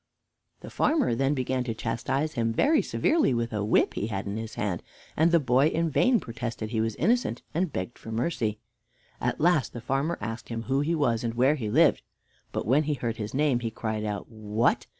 The farmer then began to chastise him very severely with a whip he had in his hand, and the boy in vain protested he was innocent, and begged for mercy. At last the farmer asked him who he was and where he lived; but when he heard his name, he cried out: "What!